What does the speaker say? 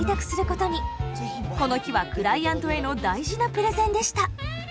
この日はクライアントへの大事なプレゼンでした。